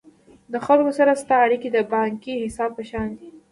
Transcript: د خلکو سره ستا اړیکي د بانکي حساب په شان دي.